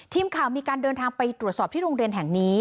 ทีมข่าวมีการเดินทางไปตรวจสอบที่โรงเรียนแห่งนี้